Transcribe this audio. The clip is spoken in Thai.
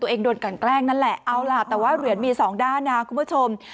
โดนกันแกล้งนั่นแหละเอาล่ะแต่ว่าเหรียญมีสองด้านนะคุณผู้ชม